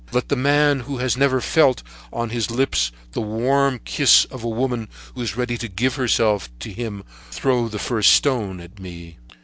Let the man who has never felt on his lips the warm kiss of a woman who is ready to give herself to him throw the first stone at me.